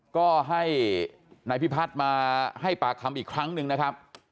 ก็ให้นายพิพัฒน์มาให้ปากคำอีกครั้งหนึ่งนะครับ